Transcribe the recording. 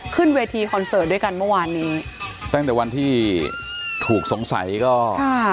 ขึ้นเวทีคอนเสิร์ตด้วยกันเมื่อวานนี้ตั้งแต่วันที่ถูกสงสัยก็ค่ะ